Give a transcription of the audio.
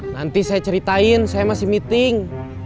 nanti saya ceritain saya masih meeting